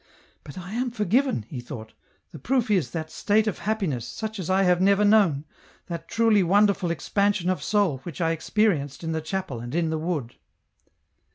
" But I am forgiven," he thought ;" the proof is that state of happiness, such as I have never known, that truly wonderful expansion of soul which I experienced in the chapel and in the wood."